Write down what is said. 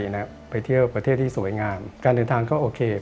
ราศริธานูจะเป็นยังไงบ้างคะ